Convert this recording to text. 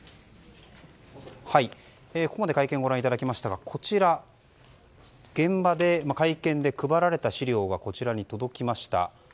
ここまで会見をご覧いただきましたがこちら、現場の会見で配られた資料が届きました。